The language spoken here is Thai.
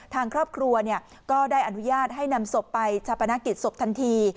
ทางครอบครัวก็ได้อนุญาตให้นำศพไปชาปนกิจศพทันที